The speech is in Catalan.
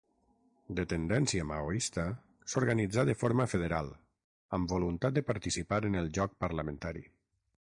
De tendència maoista, s'organitzà de forma federal, amb voluntat de participar en el joc parlamentari.